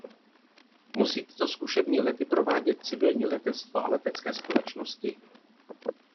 Musí tyto zkušební lety provádět civilní letectvo a letecké společnosti?